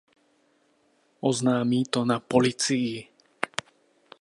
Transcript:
Oznámí to na policii.